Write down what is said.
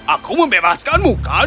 aku membebaskanmu kan